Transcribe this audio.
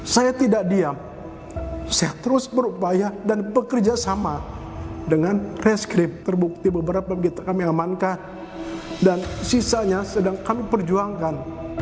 saya tidak diam saya terus berupaya dan bekerja sama dengan reskrip terbukti beberapa begitu kami amankan dan sisanya sedang kami perjuangkan